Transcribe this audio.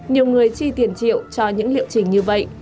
nhiều người chi tiền triệu cho những liệu trình như vậy